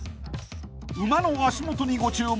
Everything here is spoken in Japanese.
［馬の足元にご注目］